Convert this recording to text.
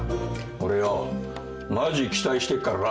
俺よマジ期待してっからな。